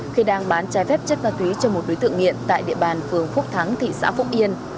khi đang bán trái phép chất ma túy cho một đối tượng nghiện tại địa bàn phường phúc thắng thị xã phúc yên